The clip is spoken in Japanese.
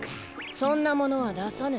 そんなものはださぬ。